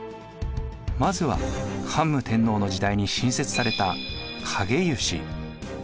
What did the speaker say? まずは桓武天皇の時代に新設された勘解由使。